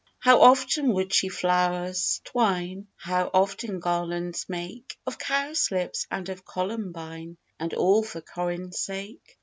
How often would she flowers twine, How often garlands make, Of cowslips and of columbine, And all for Corin's sake!